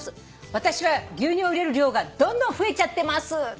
私は牛乳を入れる量がどんどん増えちゃってます」